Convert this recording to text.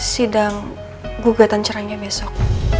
sidang gugatan cerainya besok